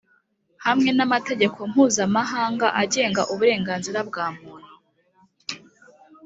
hamwe n’amategeko mpuzamahanga agenga uburenganzira bwa muntu.